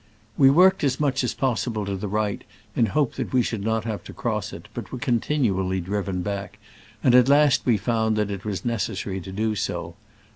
We worked as much as possible to the right, in hope that we should not have to cross it, but were continually driven back, and at last we found that it was necessary to do so.